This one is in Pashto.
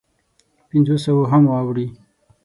پنځو سوو هم واوړي.